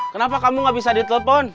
kenapa kamu gak bisa ditelepon